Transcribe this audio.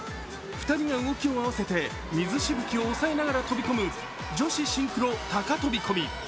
２人が動きを合わせて水しぶきを抑えながら飛び込む女子シンクロ高飛び込み。